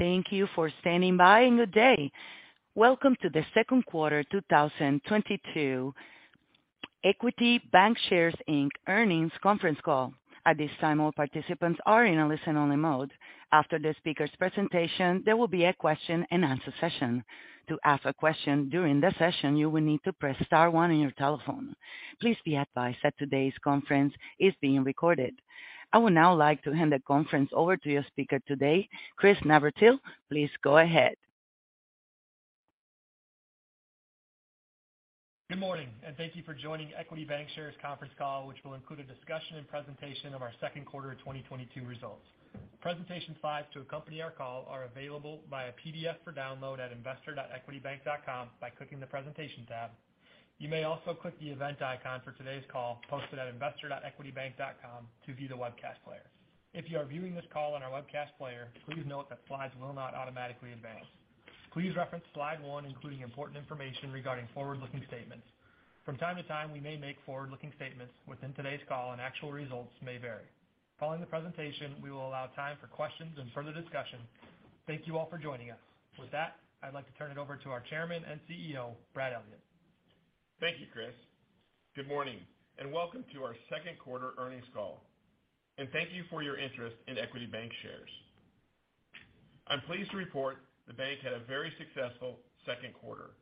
Thank you for standing by and good day. Welcome to the second quarter 2022 Equity Bancshares, Inc. earnings conference call. At this time, all participants are in a listen-only mode. After the speaker's presentation, there will be a question-and-answer session. To ask a question during the session, you will need to press star one on your telephone. Please be advised that today's conference is being recorded. I would now like to hand the conference over to your speaker today, Chris Navratil. Please go ahead. Good morning, and thank you for joining Equity Bancshares conference call, which will include a discussion and presentation of our second quarter of 2022 results. Presentation slides to accompany our call are available via PDF for download at investor.equitybank.com by clicking the presentation tab. You may also click the event icon for today's call posted at investor.equitybank.com to view the webcast player. If you are viewing this call on our webcast player, please note that slides will not automatically advance. Please reference slide one, including important information regarding forward-looking statements. From time to time, we may make forward-looking statements within today's call, and actual results may vary. Following the presentation, we will allow time for questions and further discussion. Thank you all for joining us. With that, I'd like to turn it over to our chairman and CEO, Brad Elliott. Thank you, Chris. Good morning, and welcome to our second quarter earnings call. Thank you for your interest in Equity Bancshares. I'm pleased to report the bank had a very successful second quarter,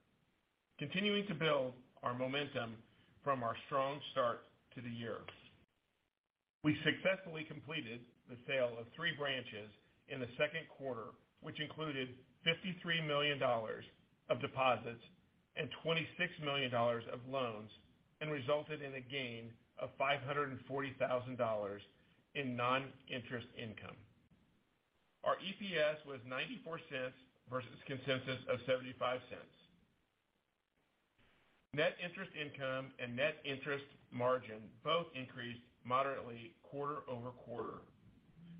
continuing to build our momentum from our strong start to the year. We successfully completed the sale of three branches in the second quarter, which included $53 million of deposits and $26 million of loans and resulted in a gain of $540 thousand in non-interest income. Our EPS was $0.94 versus consensus of $0.75. Net interest income and net interest margin both increased moderately quarter-over-quarter,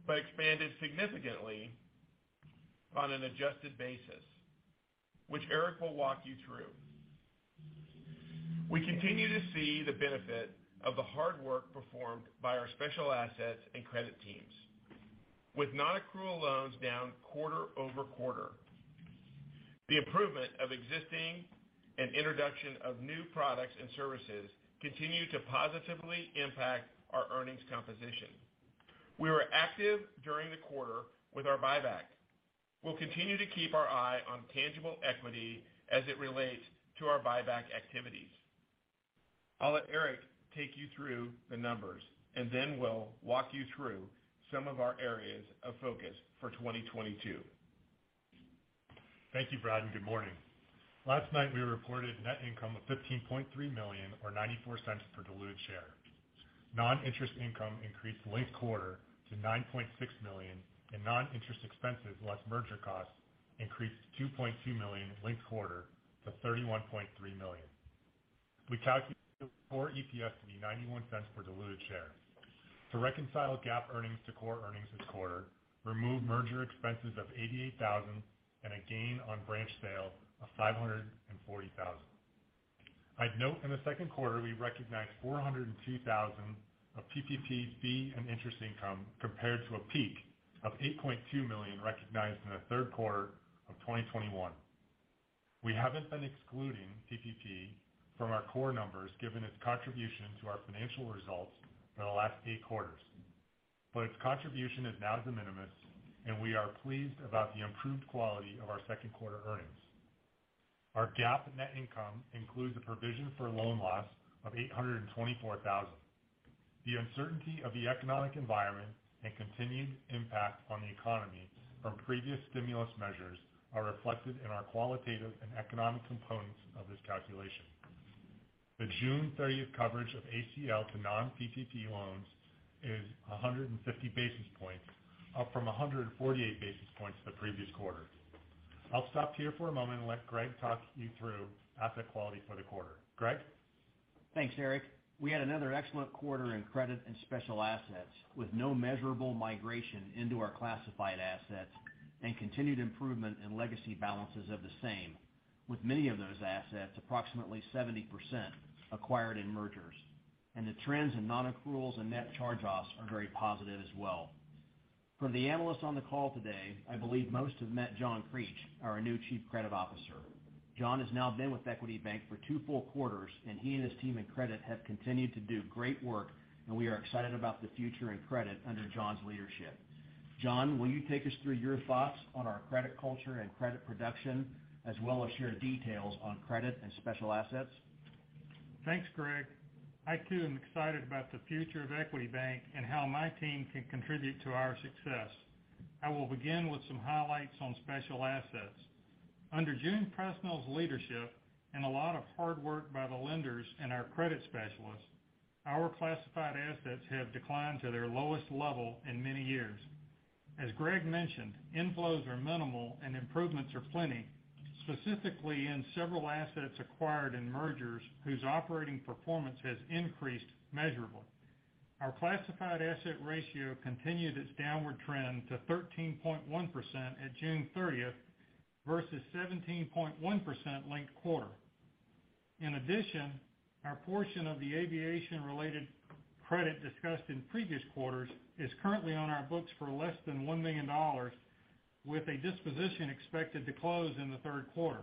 but expanded significantly on an adjusted basis, which Eric will walk you through. We continue to see the benefit of the hard work performed by our special assets and credit teams, with non-accrual loans down quarter-over-quarter. The improvement of existing and introduction of new products and services continue to positively impact our earnings composition. We were active during the quarter with our buyback. We'll continue to keep our eye on tangible equity as it relates to our buyback activities. I'll let Eric take you through the numbers, and then we'll walk you through some of our areas of focus for 2022. Thank you, Brad, and good morning. Last night, we reported net income of $15.3 million or $0.94 per diluted share. Non-interest income increased linked quarter to $9.6 million, and non-interest expenses, less merger costs, increased $2.2 million linked quarter to $31.3 million. We calculated core EPS to be $0.91 per diluted share. To reconcile GAAP earnings to core earnings this quarter, remove merger expenses of $88,000 and a gain on branch sale of $540,000. I'd note in the second quarter, we recognized $402,000 of PPP fee and interest income compared to a peak of $8.2 million recognized in the third quarter of 2021. We haven't been excluding PPP from our core numbers given its contribution to our financial results for the last eight quarters, but its contribution is now de minimis, and we are pleased about the improved quality of our second quarter earnings. Our GAAP net income includes a provision for loan loss of $824,000. The uncertainty of the economic environment and continued impact on the economy from previous stimulus measures are reflected in our qualitative and economic components of this calculation. The June 30th coverage of ACL to non-PPP loans is 150 basis points, up from 148 basis points the previous quarter. I'll stop here for a moment and let Greg talk you through asset quality for the quarter. Greg? Thanks, Eric. We had another excellent quarter in credit and special assets, with no measurable migration into our classified assets and continued improvement in legacy balances of the same, with many of those assets, approximately 70%, acquired in mergers. The trends in non-accruals and net charge-offs are very positive as well. For the analysts on the call today, I believe most have met John Creech, our new Chief Credit Officer. John has now been with Equity Bank for two full quarters, and he and his team in credit have continued to do great work, and we are excited about the future in credit under John's leadership. John, will you take us through your thoughts on our credit culture and credit production, as well as share details on credit and special assets? Thanks, Greg. I, too, am excited about the future of Equity Bank and how my team can contribute to our success. I will begin with some highlights on special assets. Under June Presnell's leadership and a lot of hard work by the lenders and our credit specialists, our classified assets have declined to their lowest level in many years. As Greg mentioned, inflows are minimal and improvements are plenty, specifically in several assets acquired in mergers whose operating performance has increased measurably. Our classified asset ratio continued its downward trend to 13.1% at June 30th versus 17.1% linked quarter. In addition, our portion of the aviation-related credit discussed in previous quarters is currently on our books for less than $1 million, with a disposition expected to close in the third quarter.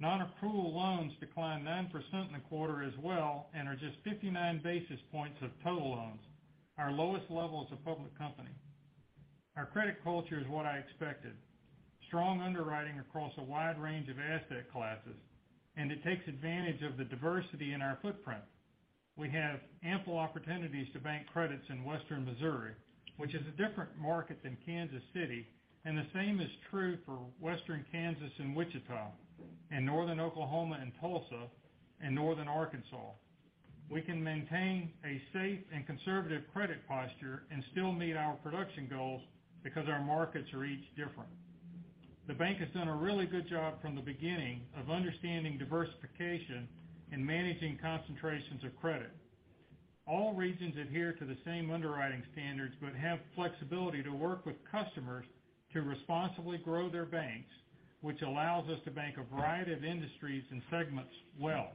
Non-accrual loans declined 9% in the quarter as well, and are just 59 basis points of total loans, our lowest levels as a public company. Our credit culture is what I expected. Strong underwriting across a wide range of asset classes, and it takes advantage of the diversity in our footprint. We have ample opportunities to bank credits in Western Missouri, which is a different market than Kansas City, and the same is true for western Kansas and Wichita, and northern Oklahoma and Tulsa, and northern Arkansas. We can maintain a safe and conservative credit posture and still meet our production goals because our markets are each different. The bank has done a really good job from the beginning of understanding diversification and managing concentrations of credit. All regions adhere to the same underwriting standards but have flexibility to work with customers to responsibly grow their banks, which allows us to bank a variety of industries and segments well.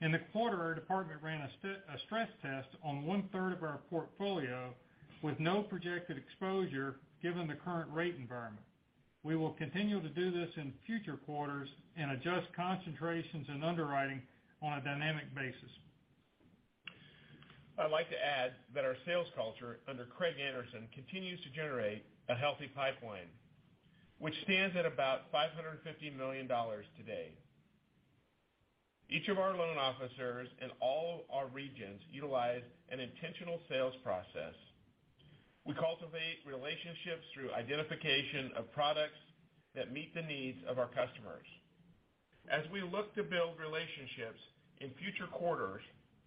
In the quarter, our department ran a stress test on 1/3 of our portfolio with no projected exposure given the current rate environment. We will continue to do this in future quarters and adjust concentrations in underwriting on a dynamic basis. I'd like to add that our sales culture under Craig Anderson continues to generate a healthy pipeline, which stands at about $550 million today. Each of our loan officers in all our regions utilize an intentional sales process. We cultivate relationships through identification of products that meet the needs of our customers. As we look to build relationships in future quarters,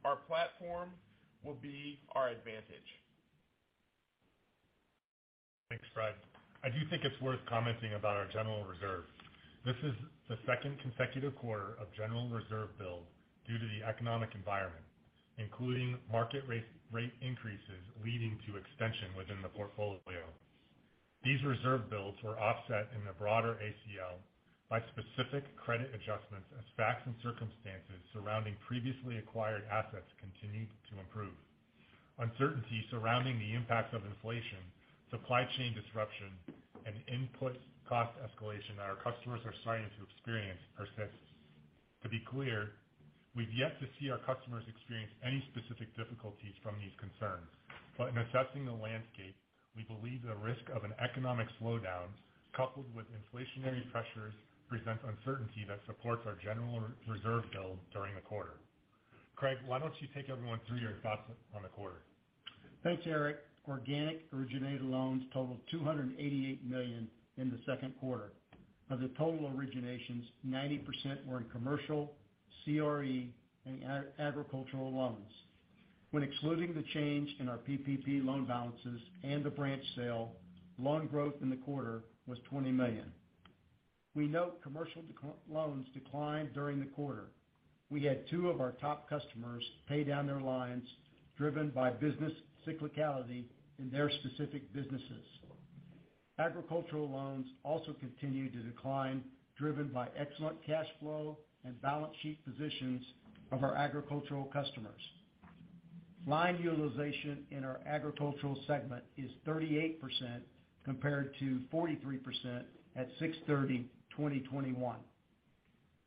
our platform will be our advantage. Thanks, Brad. I do think it's worth commenting about our general reserve. This is the second consecutive quarter of general reserve build due to the economic environment, including market rate increases leading to extension within the portfolio. These reserve builds were offset in the broader ACL by specific credit adjustments as facts and circumstances surrounding previously acquired assets continued to improve. Uncertainty surrounding the impacts of inflation, supply chain disruption, and input cost escalation that our customers are starting to experience persists. To be clear, we've yet to see our customers experience any specific difficulties from these concerns. In assessing the landscape, we believe the risk of an economic slowdown coupled with inflationary pressures presents uncertainty that supports our general reserve build during the quarter. Craig, why don't you take everyone through your thoughts on the quarter? Thanks, Eric. Organic originated loans totaled $288 million in the second quarter. Of the total originations, 90% were in commercial, CRE, and agricultural loans. When excluding the change in our PPP loan balances and the branch sale, loan growth in the quarter was $20 million. We note commercial loans declined during the quarter. We had two of our top customers pay down their lines, driven by business cyclicality in their specific businesses. Agricultural loans also continued to decline, driven by excellent cash flow and balance sheet positions of our agricultural customers. Line utilization in our agricultural segment is 38%, compared to 43% at 6/30/2021.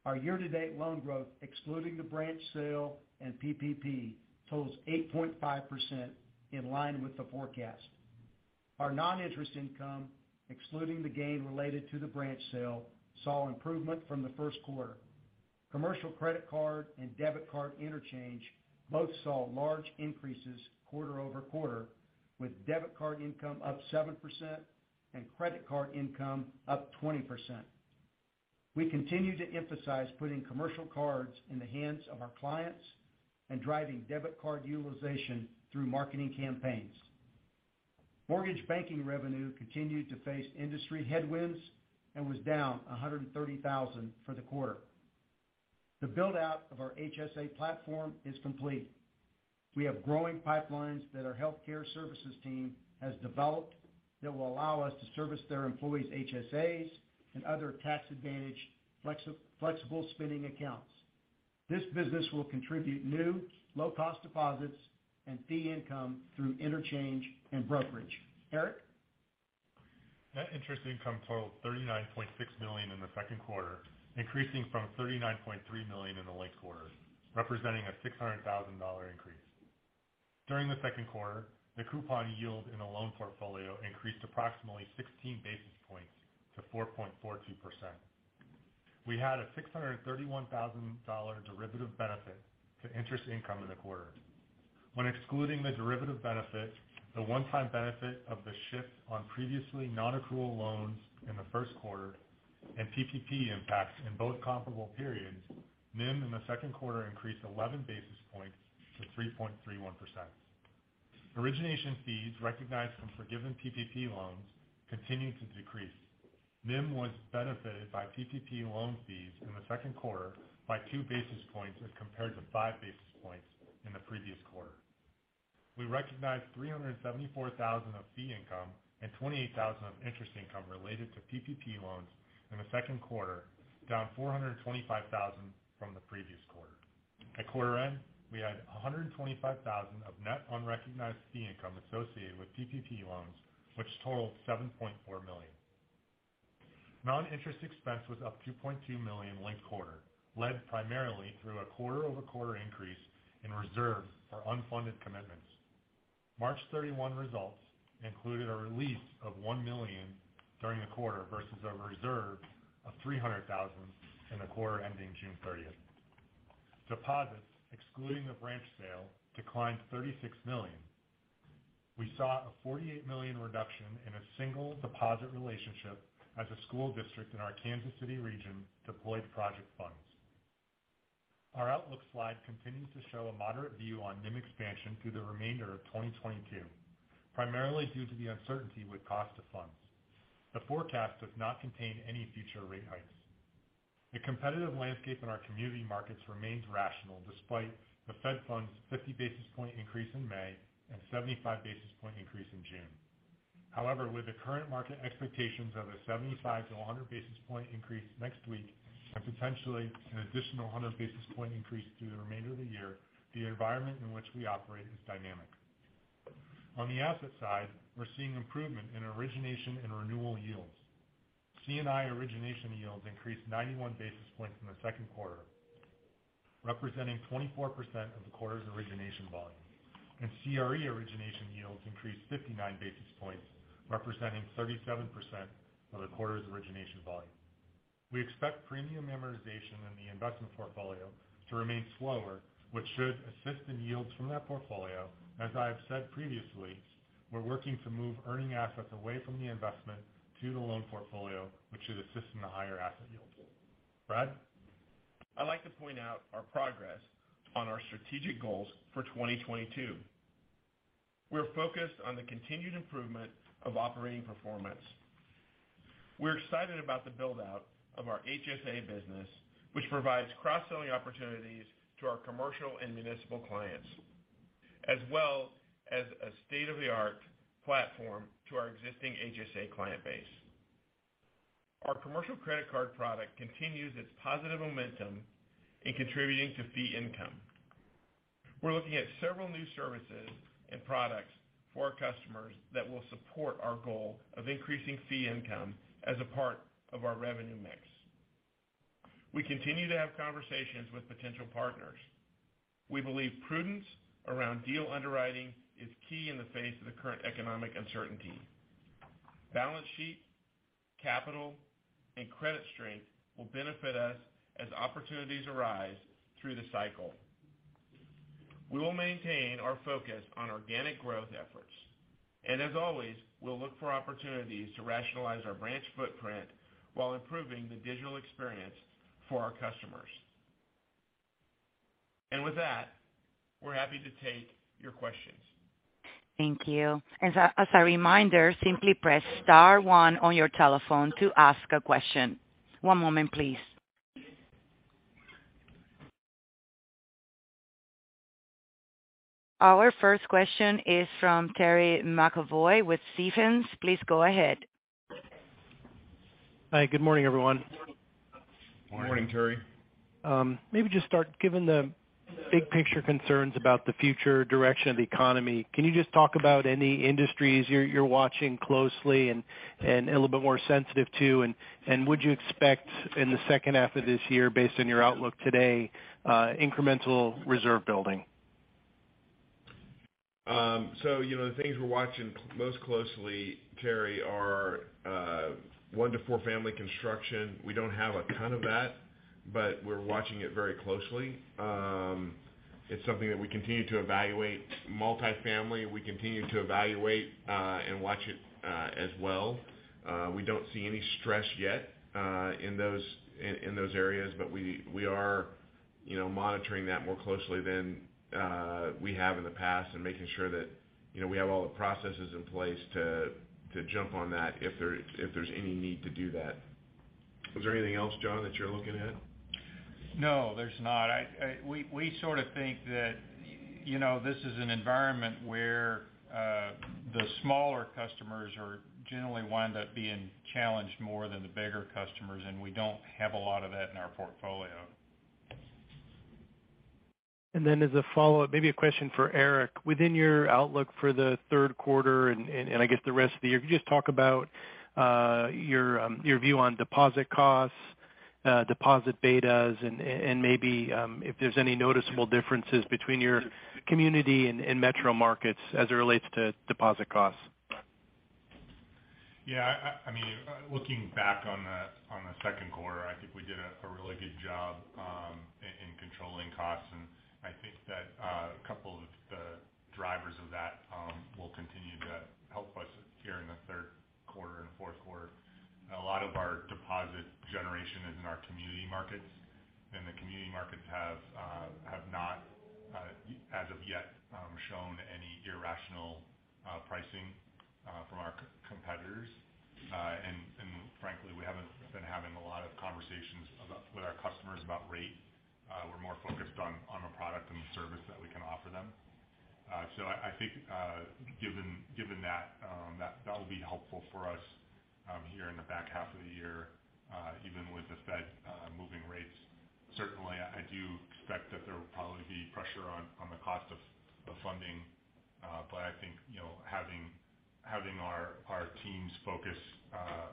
Our year-to-date loan growth, excluding the branch sale and PPP, totals 8.5% in line with the forecast. Our non-interest income, excluding the gain related to the branch sale, saw improvement from the first quarter. Commercial credit card and debit card interchange both saw large increases quarter-over-quarter, with debit card income up 7% and credit card income up 20%. We continue to emphasize putting commercial cards in the hands of our clients and driving debit card utilization through marketing campaigns. Mortgage banking revenue continued to face industry headwinds and was down $130,000 for the quarter. The build-out of our HSA platform is complete. We have growing pipelines that our healthcare services team has developed that will allow us to service their employees' HSAs and other tax-advantaged flexible spending accounts. This business will contribute new, low-cost deposits and fee income through interchange and brokerage. Eric? Net interest income totaled $39.6 million in the second quarter, increasing from $39.3 million in the last quarter, representing a $600,000 increase. During the second quarter, the coupon yield in the loan portfolio increased approximately 16 basis points to 4.42%. We had a $631,000 derivative benefit to interest income in the quarter. When excluding the derivative benefit, the one-time benefit of the shift in previously non-accrual loans in the first quarter and PPP impacts in both comparable periods, NIM in the second quarter increased 11 basis points to 3.31%. Origination fees recognized from forgiven PPP loans continued to decrease. NIM was benefited by PPP loan fees in the second quarter by 2 basis points as compared to 5 basis points in the previous quarter. We recognized $374,000 of fee income and $28,000 of interest income related to PPP loans in the second quarter, down $425,000 from the previous quarter. At quarter end, we had $125,000 of net unrecognized fee income associated with PPP loans, which totaled $7.4 million. Non-interest expense was up $2.2 million linked quarter, led primarily through a quarter-over-quarter increase in reserve for unfunded commitments. March thirty-one results included a release of $1 million during the quarter versus a reserve of $300,000 in the quarter ending June thirtieth. Deposits, excluding the branch sale, declined $36 million. We saw a $48 million reduction in a single deposit relationship as a school district in our Kansas City region deployed project funds. Our outlook slide continues to show a moderate view on NIM expansion through the remainder of 2022, primarily due to the uncertainty with cost of funds. The forecast does not contain any future rate hikes. The competitive landscape in our community markets remains rational despite the Fed Funds 50 basis point increase in May and 75 basis point increase in June. However, with the current market expectations of a 75-100 basis point increase next week and potentially an additional 100 basis point increase through the remainder of the year, the environment in which we operate is dynamic. On the asset side, we're seeing improvement in origination and renewal yields. C&I origination yields increased 91 basis points in the second quarter, representing 24% of the quarter's origination volume, and CRE origination yields increased 59 basis points, representing 37% of the quarter's origination volume. We expect premium amortization in the investment portfolio to remain slower, which should assist in yields from that portfolio. As I have said previously, we're working to move earning assets away from the investment to the loan portfolio, which should assist in the higher asset yields. Brad? I'd like to point out our progress on our strategic goals for 2022. We're focused on the continued improvement of operating performance. We're excited about the build-out of our HSA business, which provides cross-selling opportunities to our commercial and municipal clients, as well as a state-of-the-art platform to our existing HSA client base. Our commercial credit card product continues its positive momentum in contributing to fee income. We're looking at several new services and products for our customers that will support our goal of increasing fee income as a part of our revenue mix. We continue to have conversations with potential partners. We believe prudence around deal underwriting is key in the face of the current economic uncertainty. Balance sheet, capital, and credit strength will benefit us as opportunities arise through the cycle. We will maintain our focus on organic growth efforts. As always, we'll look for opportunities to rationalize our branch footprint while improving the digital experience for our customers. With that, we're happy to take your questions. Thank you. As a reminder, simply press star one on your telephone to ask a question. One moment, please. Our first question is from Terry McEvoy with Stephens. Please go ahead. Hi, good morning, everyone. Good morning. Good morning, Terry. Maybe just start giving the big picture concerns about the future direction of the economy. Can you just talk about any industries you're watching closely and a little bit more sensitive to? Would you expect in the H2 of this year, based on your outlook today, incremental reserve building? You know, the things we're watching most closely, Terry, are one to four family construction. We don't have a ton of that, but we're watching it very closely. It's something that we continue to evaluate. Multifamily, we continue to evaluate and watch it as well. We don't see any stress yet in those areas, but we are, you know, monitoring that more closely than we have in the past and making sure that, you know, we have all the processes in place to jump on that if there's any need to do that. Is there anything else, John, that you're looking at? No, there's not. We sort of think that, you know, this is an environment where the smaller customers are generally wind up being challenged more than the bigger customers, and we don't have a lot of that in our portfolio. As a follow-up, maybe a question for Eric. Within your outlook for the third quarter and, I guess, the rest of the year, could you just talk about your view on deposit costs, deposit betas and maybe if there's any noticeable differences between your community and metro markets as it relates to deposit costs? I mean, looking back on the second quarter, I think we did a really good job in controlling costs. I think that a couple of the drivers of that will continue to help us here in the third quarter and fourth quarter. A lot of our deposit generation is in our community markets, and the community markets have not as of yet shown any irrational pricing from our competitors. And frankly, we haven't been having a lot of conversations with our customers about rate. We're more focused on the product and the service that we can offer them. I think given that that will be helpful for us here in the back half of the year even with the Fed moving rates. Certainly, I do expect that there will probably be pressure on the cost of the funding. I think you know having our teams focus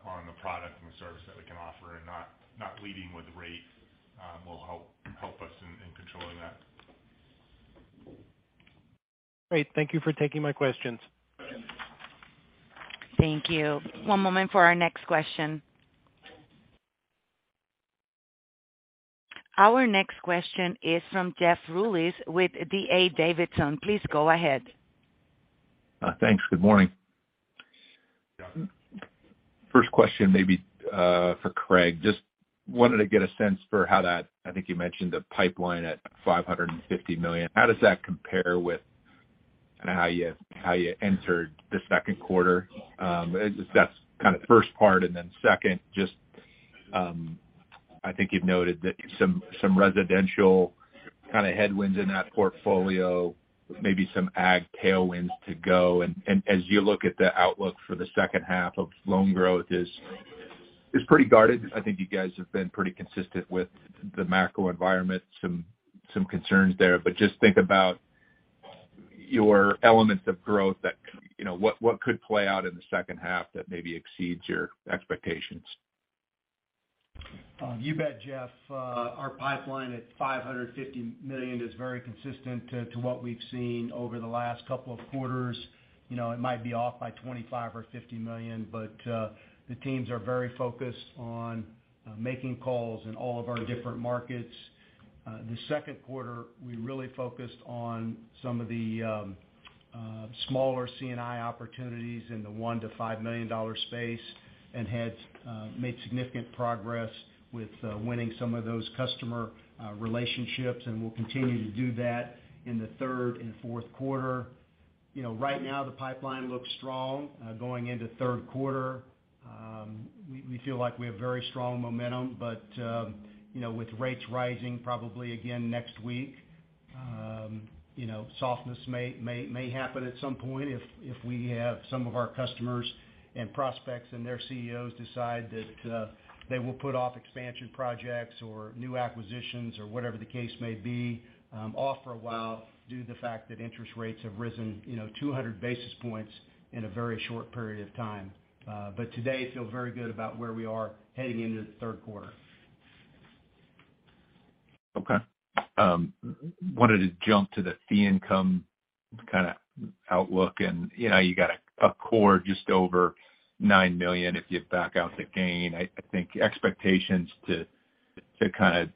on the product and the service that we can offer and not leading with rate will help us in controlling that. Great. Thank you for taking my questions. Okay. Thank you. One moment for our next question. Our next question is from Jeff Rulis with D.A. Davidson. Please go ahead. Thanks. Good morning. Yeah. First question maybe for Craig. Just wanted to get a sense for I think you mentioned the pipeline at $550 million. How does that compare with kind of how you entered the second quarter? If that's kind of first part, and then second, just I think you've noted that some residential kind of headwinds in that portfolio, maybe some ag tailwinds to go. As you look at the outlook for the H2 of loan growth is pretty guarded. I think you guys have been pretty consistent with the macro environment, some concerns there. Just think about your elements of growth that you know what could play out in the H2 that maybe exceeds your expectations? You bet, Jeff. Our pipeline at $550 million is very consistent to what we've seen over the last couple of quarters. You know, it might be off by $25 million or $50 million, but the teams are very focused on making calls in all of our different markets. The second quarter, we really focused on some of the smaller C&I opportunities in the $1 million-$5 million space and had made significant progress with winning some of those customer relationships, and we'll continue to do that in the third and fourth quarter. You know, right now, the pipeline looks strong going into third quarter. We feel like we have very strong momentum, but you know, with rates rising probably again next week, you know, softness may happen at some point if we have some of our customers and prospects and their CEOs decide that they will put off expansion projects or new acquisitions or whatever the case may be off for a while due to the fact that interest rates have risen, you know, 200 basis points in a very short period of time. Today feel very good about where we are heading into the third quarter. Okay. Wanted to jump to the fee income kind of outlook. You know, you got a core just over $9 million if you back out the gain. I think expectations to kind of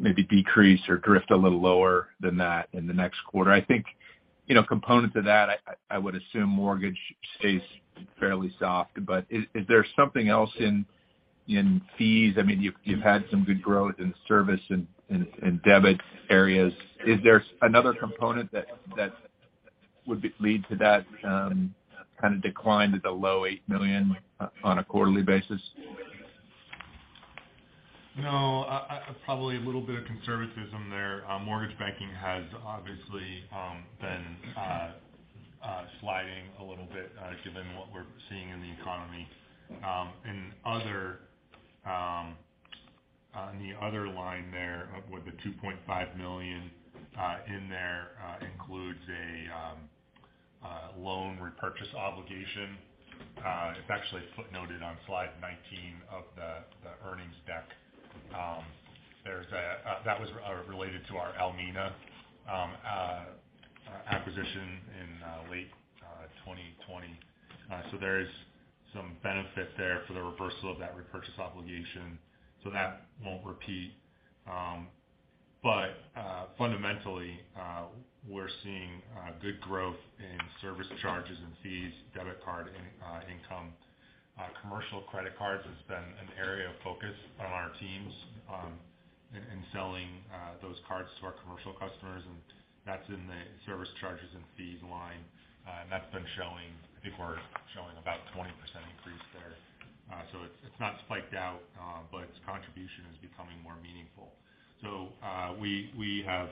maybe decrease or drift a little lower than that in the next quarter. I think, you know, component to that, I would assume mortgage stays fairly soft. Is there something else in fees? I mean, you've had some good growth in service and in debit areas. Is there another component that would lead to that kind of decline to the low $8 million on a quarterly basis? No. Probably a little bit of conservatism there. Mortgage banking has obviously been sliding a little bit, given what we're seeing in the economy. On the other line there with the $2.5 million in there includes a loan repurchase obligation. It's actually footnoted on slide 19 of the earnings deck. That was related to our Almena acquisition in late 2020. There is some benefit there for the reversal of that repurchase obligation, so that won't repeat. Fundamentally, we're seeing good growth in service charges and fees, debit card income. Commercial credit cards has been an area of focus on our teams in selling those cards to our commercial customers, and that's in the service charges and fees line. That's been showing. I think we're showing about a 20% increase there. It's not spiked out, but its contribution is becoming more meaningful. We have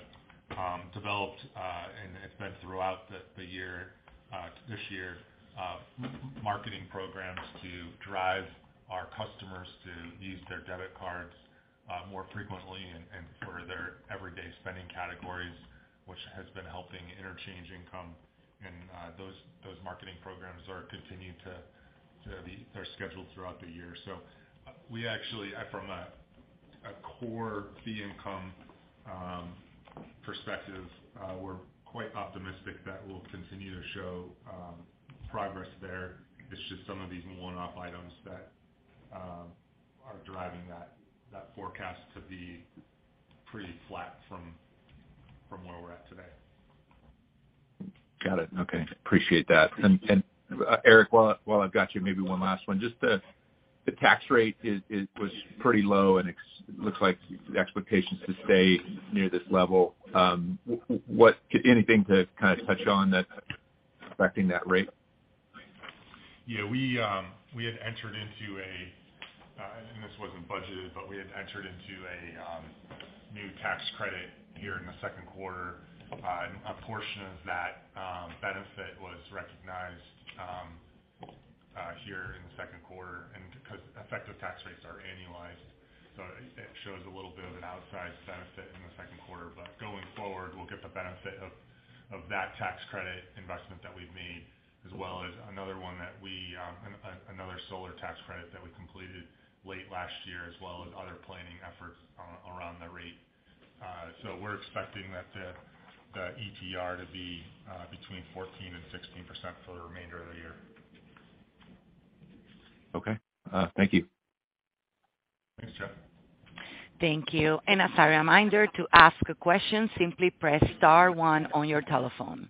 developed and it's been throughout the year, this year, marketing programs to drive our customers to use their debit cards more frequently and for their everyday spending categories, which has been helping interchange income. Those marketing programs are continuing. They're scheduled throughout the year. We actually from a core fee income perspective, we're quite optimistic that we'll continue to show progress there. It's just some of these one-off items that are driving that forecast to be pretty flat from where we're at today. Got it. Okay. Appreciate that. Eric, while I've got you, maybe one last one. Just to the tax rate was pretty low and it looks like the expectation's to stay near this level. Anything to kind of touch on that's affecting that rate? Yeah, this wasn't budgeted, but we had entered into a new tax credit here in the second quarter. A portion of that benefit was recognized here in the second quarter. Because effective tax rates are annualized, it shows a little bit of an outsized benefit in the second quarter. Going forward, we'll get the benefit of that tax credit investment that we've made, as well as another solar tax credit that we completed late last year, as well as other planning efforts around the rate. We're expecting that the ETR to be between 14%-16% for the remainder of the year. Okay. Thank you. Thanks, Jeff. Thank you. As a reminder, to ask a question, simply press star one on your telephone.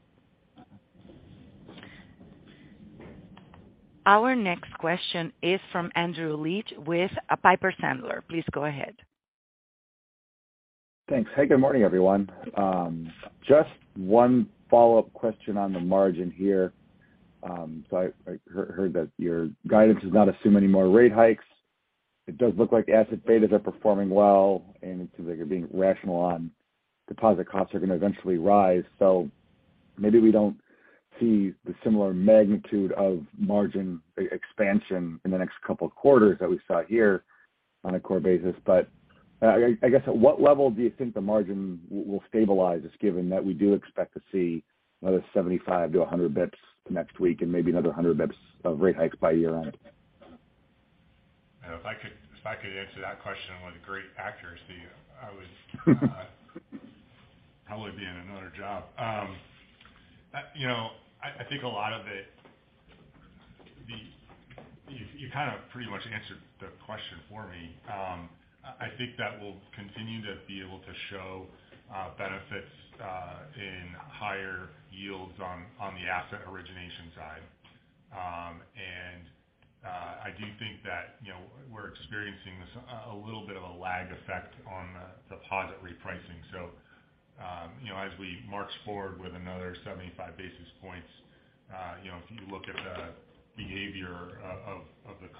Our next question is from Andrew Liesch with Piper Sandler. Please go ahead. Thanks. Hey, good morning, everyone. Just one follow-up question on the margin here. I heard that your guidance does not assume any more rate hikes. It does look like asset betas are performing well, and it seems like you're being rational on deposit costs are going to eventually rise. Maybe we don't see the similar magnitude of margin expansion in the next couple of quarters that we saw here on a core basis. I guess at what level do you think the margin will stabilize, just given that we do expect to see another 75 -100 basis points next week and maybe another 100 basis points of rate hikes by year-end? If I could answer that question with great accuracy, I would probably be in another job. You know, I think a lot of it. You kind of pretty much answered the question for me. I think that we'll continue to be able to show benefits in higher yields on the asset origination side. I do think that, you know, we're experiencing this a little bit of a lag effect on the deposit repricing. You know, as we march forward with another 75 basis points, you know, if you look at the behavior of the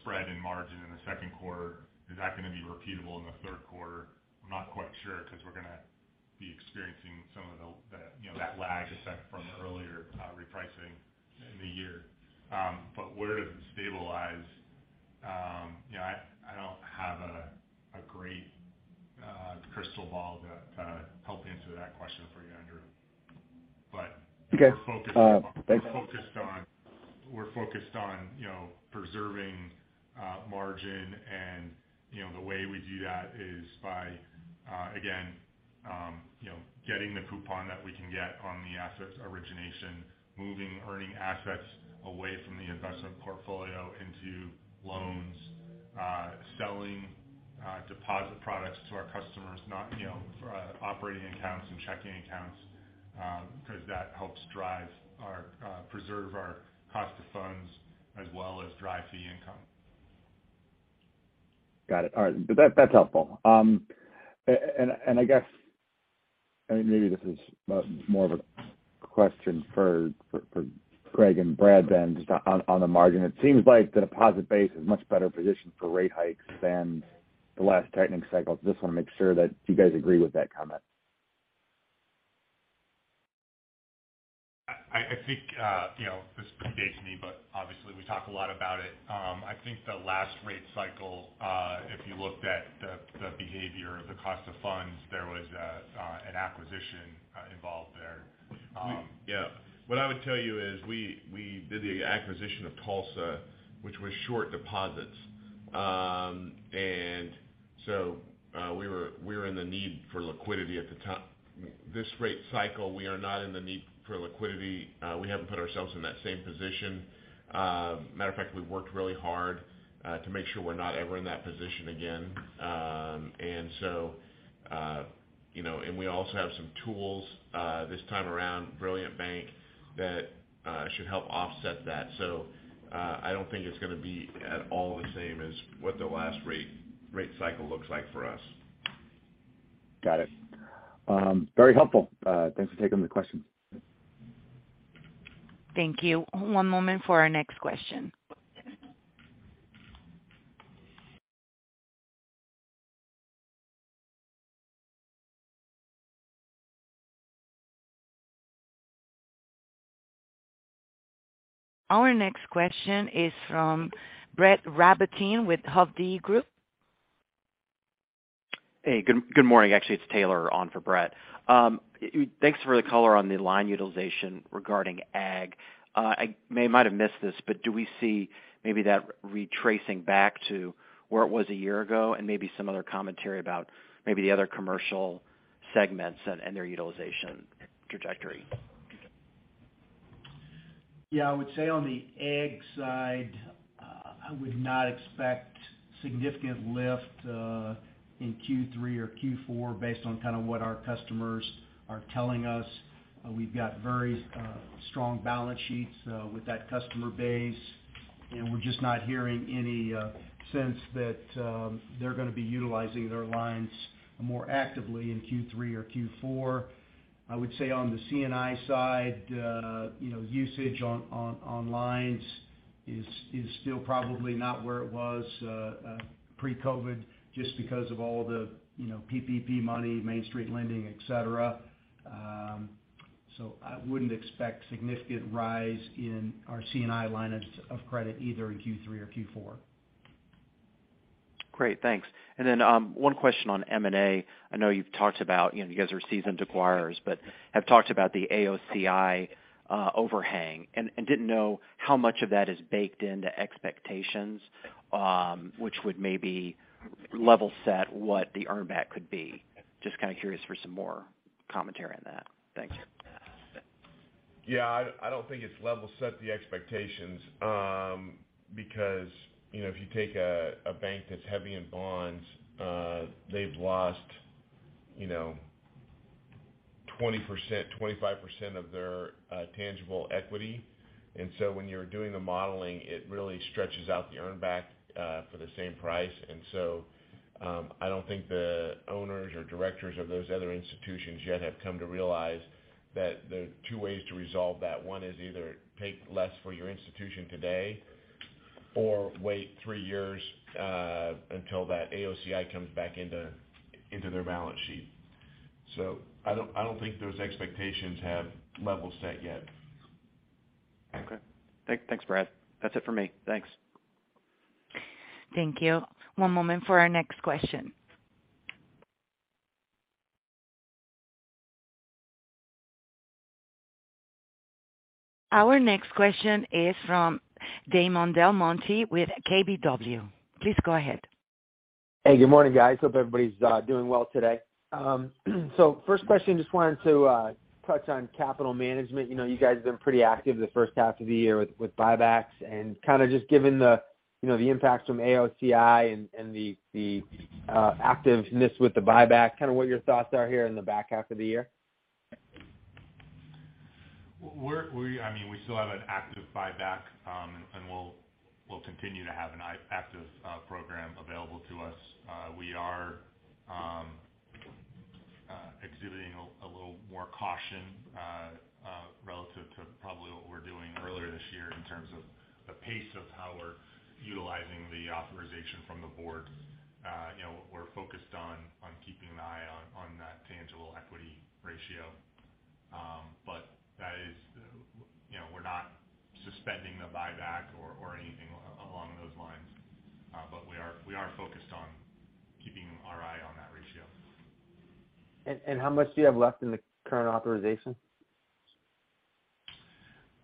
spread and margin in the second quarter, is that going to be repeatable in the third quarter? I'm not quite sure because we're going to be experiencing some of the you know, that lag effect from earlier, repricing in the year. Where does it stabilize? You know, I don't have a great crystal ball to help answer that question for you, Andrew. Okay. Thanks. We're focused on you know preserving margin. You know the way we do that is by again you know getting the coupon that we can get on the asset origination, moving earning assets away from the investment portfolio into loans. Selling deposit products to our customers, not you know operating accounts and checking accounts, because that helps preserve our cost of funds as well as drive fee income. Got it. All right. That's helpful. I guess maybe this is more of a question for Craig and Brad than just on the margin. It seems like the deposit base is much better positioned for rate hikes than the last tightening cycle. Just want to make sure that you guys agree with that comment. I think you know this predates me, but obviously we talk a lot about it. I think the last rate cycle, if you looked at the behavior of the cost of funds, there was an acquisition involved there. What I would tell you is we did the acquisition of Tulsa, which was short deposits. We were in the need for liquidity. This rate cycle, we are not in the need for liquidity. We haven't put ourselves in that same position. Matter of fact, we worked really hard to make sure we're not ever in that position again. You know, we also have some tools this time around, Brilliant Bank, that should help offset that. I don't think it's going to be at all the same as what the last rate cycle looks like for us. Got it. Very helpful. Thanks for taking the question. Thank you. One moment for our next question. Our next question is from Brett Rabatin with Hovde Group. Hey, good morning. Actually, it's Taylor on for Brett. Thanks for the color on the line utilization regarding ag. I might have missed this, but do we see maybe that retracing back to where it was a year ago and maybe some other commentary about maybe the other commercial segments and their utilization trajectory? Yeah. I would say on the ag side, I would not expect Significant lift in Q3 or Q4 based on kind of what our customers are telling us. We've got very strong balance sheets with that customer base, and we're just not hearing any sense that they're gonna be utilizing their lines more actively in Q3 or Q4. I would say on the C&I side, you know, usage on lines is still probably not where it was pre-COVID just because of all the, you know, PPP money, Main Street lending, et cetera. I wouldn't expect significant rise in our C&I line of credit either in Q3 or Q4. Great. Thanks. One question on M&A. I know you've talked about, you know, you guys are seasoned acquirers, but have talked about the AOCI overhang and didn't know how much of that is baked into expectations, which would maybe level set what the earnback could be. Just kinda curious for some more commentary on that. Thank you. Yeah. I don't think it's level set the expectations, because, you know, if you take a bank that's heavy in bonds, they've lost, you know, 20%, 25% of their tangible equity. When you're doing the modeling, it really stretches out the earn back for the same price. I don't think the owners or directors of those other institutions yet have come to realize that there are two ways to resolve that. One is either take less for your institution today or wait three years until that AOCI comes back into their balance sheet. I don't think those expectations have level set yet. Okay. Thanks, Brad. That's it for me. Thanks. Thank you. One moment for our next question. Our next question is from Damon DelMonte with KBW. Please go ahead. Hey, good morning, guys. Hope everybody's doing well today. First question, just wanted to touch on capital management. You know, you guys have been pretty active the H1 of the year with buybacks and kind of just given the, you know, the impact from AOCI and the activeness with the buyback, kind of what your thoughts are here in the back half of the year. We, I mean, we still have an active buyback, and we'll continue to have an active program available to us. We are exhibiting a little more caution relative to probably what we're doing earlier this year in terms of the pace of how we're utilizing the authorization from the board. You know, we're focused on keeping an eye on that tangible equity ratio. That is, you know, we're not suspending the buyback or anything along those lines. We are focused on keeping our eye on that ratio. How much do you have left in the current authorization?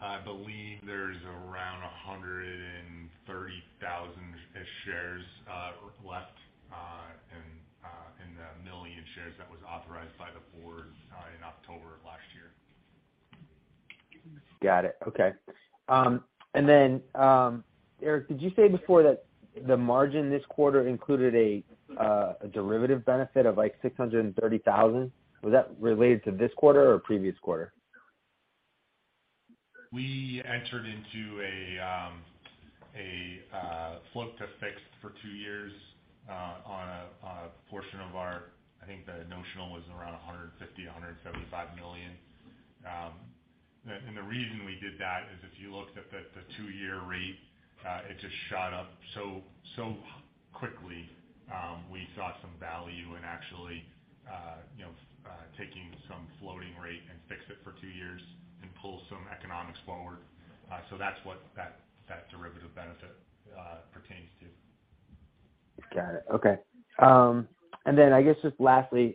I believe there's around 130,000 shares left in the 1 million shares that was authorized by the board in October of last year. Got it. Okay. Eric, did you say before that the margin this quarter included a derivative benefit of like $630,000? Was that related to this quarter or previous quarter? We entered into a float to fixed for two years on a portion of our—I think the notional was around $150 million-$175 million. The reason we did that is if you looked at the two-year rate, it just shot up so quickly. We saw some value in actually you know taking some floating rate and fixed it for two years and pull some economics forward. That's what that derivative benefit pertains to. Got it. Okay. I guess just lastly,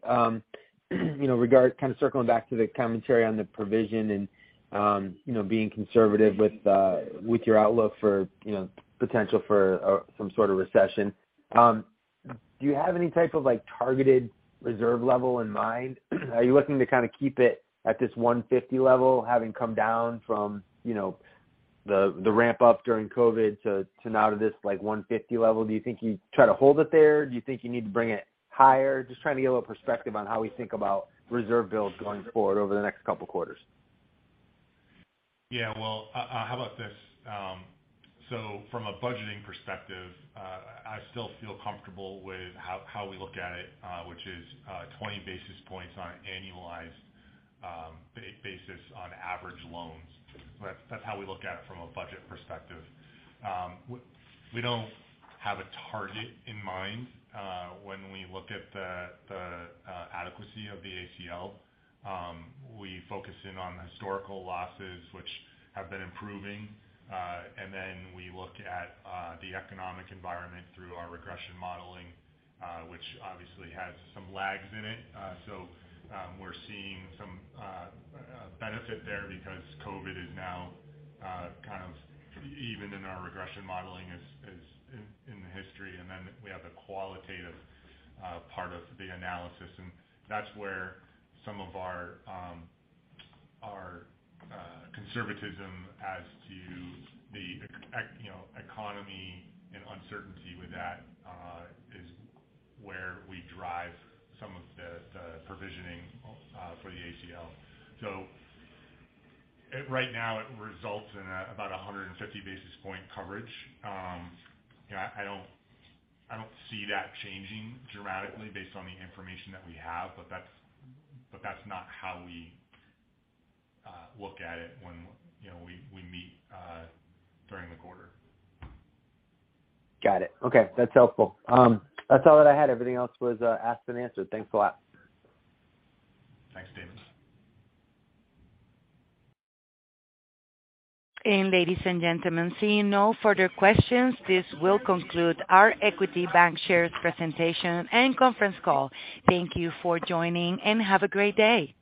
you know, kind of circling back to the commentary on the provision and, you know, being conservative with your outlook for, you know, potential for some sort of recession. Do you have any type of, like, targeted reserve level in mind? Are you looking to kind of keep it at this $150 level, having come down from, you know, the ramp up during COVID to now to this, like, $150 level? Do you think you try to hold it there? Do you think you need to bring it higher? Just trying to get a little perspective on how we think about reserve builds going forward over the next couple quarters. Yeah. Well, how about this? From a budgeting perspective, I still feel comfortable with how we look at it, which is 20 basis points on an annualized basis on average loans. That's how we look at it from a budget perspective. We don't have a target in mind when we look at the adequacy of the ACL. We focus in on historical losses which have been improving, and then we look at the economic environment through our regression modeling, which obviously has some lags in it. We're seeing some benefit there because COVID is now kind of even in our regression modeling as in the history. We have the qualitative part of the analysis, and that's where some of our conservatism as to the economy and uncertainty with that is where we drive some of the provisioning for the ACL. Right now it results in about 150 basis point coverage. You know, I don't see that changing dramatically based on the information that we have, but that's not how we look at it when you know we meet during the quarter. Got it. Okay. That's helpful. That's all that I had. Everything else was asked and answered. Thanks a lot. Thanks, Damon. Ladies and gentlemen, seeing no further questions, this will conclude our Equity Bancshares presentation and conference call. Thank you for joining, and have a great day.